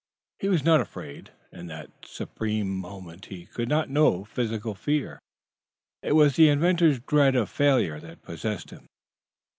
He was not afraid. In that supreme moment he could not know physical fear. It was the inventor's dread of failure that possessed him.